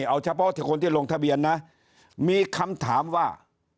เอาเฉพาะคนที่ลงทะเบียนนะมีคำถามว่า